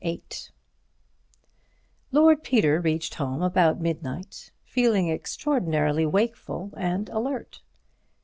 VIII Lord Peter reached home about midnight, feeling extraordinarily wakeful and alert.